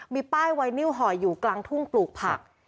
มีป้ายไวนิวห่ออยู่กลางทุ่งปลูกผัก